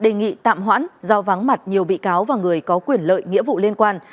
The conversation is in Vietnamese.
nhiều bị cáo và người có quyền lợi nghĩa vụ liên quan